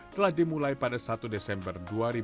telah dimulai pada satu desember dua ribu dua puluh